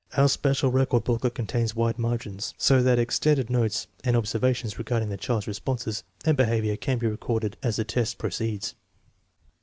Our special record booklet contains wide margins, so that extended notes and observations regarding the child's responses and behavior can be recorded as the test proceeds.